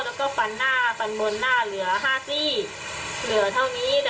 แล้วก็ฟันหน้าฟันบนหน้าเหลือ๕ซี่เหลือเท่านี้